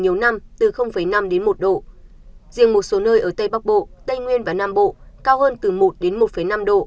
nhiều năm từ năm đến một độ riêng một số nơi ở tây bắc bộ tây nguyên và nam bộ cao hơn từ một đến một năm độ